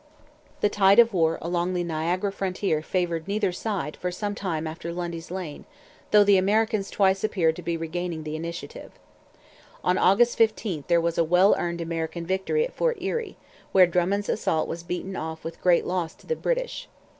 The tide of war along the Niagara frontier favoured neither side for some time after Lundy's Lane, though the Americans twice appeared to be regaining the initiative. On August 15 there was a well earned American victory at Fort Erie, where Drummond's assault was beaten off with great loss to the British.